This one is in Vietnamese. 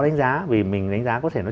đánh giá vì mình đánh giá có thể nó